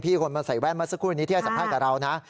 คนมาใส่แว่นมาสักครู่นี้ที่ให้สัมภาษณ์กับเรานะ